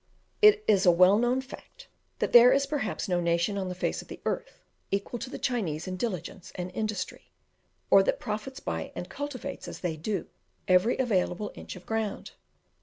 It is a well known fact, that there is perhaps no nation on the face of the earth equal to the Chinese in diligence and industry, or that profits by, and cultivates, as they do, every available inch of ground.